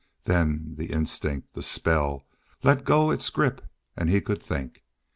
Then the instinct, the spell, let go its grip and he could think.